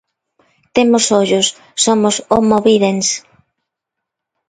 Temos ollos; somos homo videns.